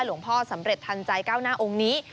ว่าอย่วงพ่อสำเร็จทันใจเก้าหน้าองค์นี้